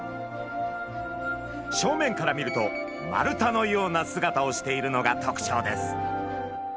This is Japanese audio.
正面から見ると丸太のような姿をしているのがとくちょうです。